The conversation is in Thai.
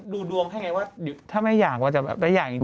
ดูดวงแค่ไงว่าถ้าไม่หย่างว่าจะแบบไม่หย่างจริง